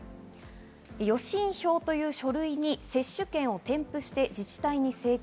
予診票という書類に接種券を添付して自治体に請求。